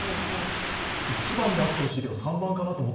１番であってほしいけど、３番かなと。